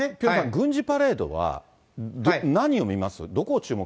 軍事パレードは、何を見ます？